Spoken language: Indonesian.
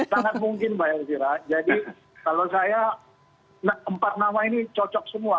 sangat mungkin mbak elvira jadi kalau saya empat nama ini cocok semua